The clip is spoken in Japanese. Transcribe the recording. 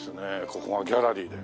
ここがギャラリーで。